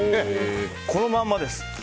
このままです。